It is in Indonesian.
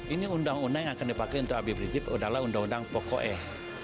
ini undang undang yang akan dipakai untuk habib rizik adalah undang undang pokok